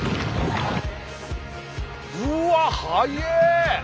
うわっはえ！